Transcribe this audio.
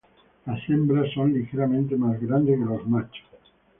Las hembras son ligeramente más grandes que los machos.